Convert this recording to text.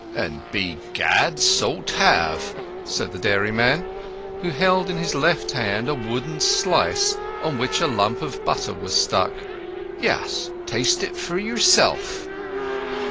"And begad, so 't have!" said the dairyman, who held in his left hand a wooden slice on which a lump of butter was stuck. "Yes—taste for yourself!"